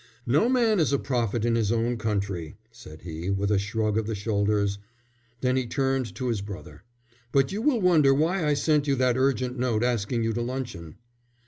"No man is a prophet in his own country," said he, with a shrug of the shoulders. Then he turned to his brother: "But you will wonder why I sent you that urgent note, asking you to luncheon."